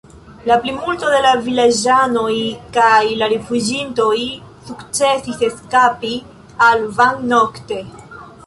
La plimulto de la vilaĝanoj kaj la rifuĝintoj sukcesis eskapi al Van nokte.